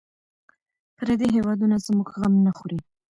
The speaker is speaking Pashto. پردي هېوادونه زموږ غم نه خوري.